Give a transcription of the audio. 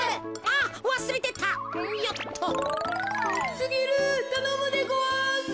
すぎるたのむでごわす。